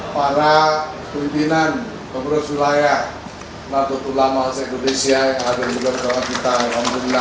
pada besar singapura indonesia malaysia singapura